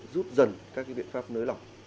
giúp dần các cái biện pháp nới lỏng